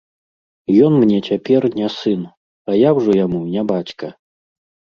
Ён мне цяпер не сын, а я ўжо яму не бацька.